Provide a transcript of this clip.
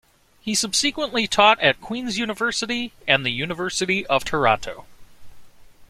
He subsequently taught at Queen's University and the University of Toronto.